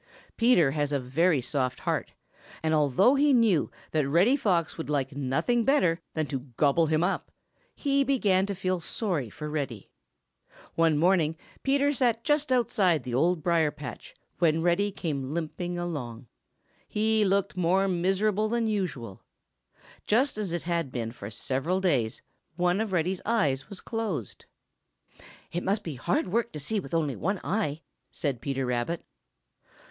Peter has a very soft heart, and although he knew that Reddy Fox would like nothing better than to gobble him up, he began to feel sorry for Reddy. One morning Peter sat just outside the Old Briar patch, when Reddy came limping along. He looked more miserable than usual. Just as it had been for several days, one of Reddy's eyes was closed. "It must be hard work to see with only one eye," said Peter Rabbit.